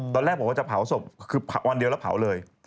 ตอนแรกบอกว่าจะเผาศพคือวันเดียวแล้วเผาเลย